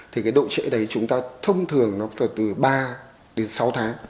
thì cái độ trễ đấy chúng ta thông thường nó phải từ ba đến sáu tháng